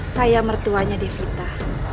saya mertuanya devita